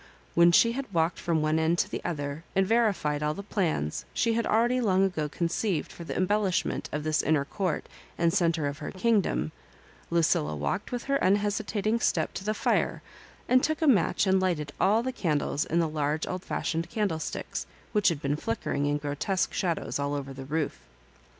When she had walked from one end to the other, and verified all the plans she had already long ago conceived for the embellishment of this inner court and centre of her kingdom, Lucilla walked with her unhesitat ing step to the fire, and took a match and lighted all the candles in the large old fashioned candle sticks, which had been flickering in grotesque shadows all over the roof.